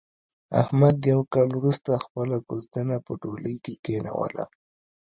احمد یو کال ورسته خپله کوزدنه په ډولۍ کې کېنوله.